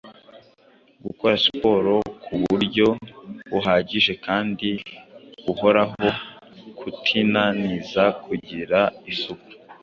gukora siporo ku buryo buhagije kandi buhoraho; kutinaniza, kugira isuku,